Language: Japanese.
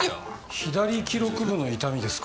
左季肋部の痛みですか。